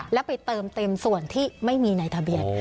แล้วไปเติมเต็มส่วนที่ไม่มีในทะเบียน